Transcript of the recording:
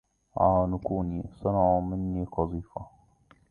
عانقوني, صنعوا مني... قذيفه!